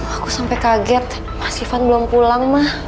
aku sampai kaget mas ivan belum pulang mah